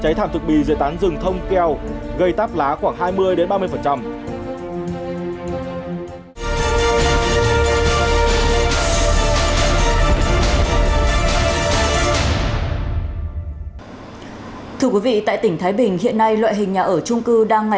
cháy thảm thực bì dưới tán rừng thông keo gây tắp lá khoảng hai mươi ba mươi